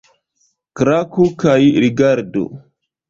Klaku kaj rigardu!